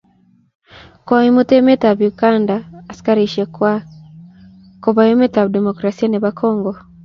koimut emetab Uganda askarikwach koba emetab demokrasia nebo kongo